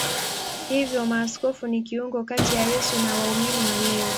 Hivyo maaskofu ni kiungo kati ya Yesu na waumini wa leo.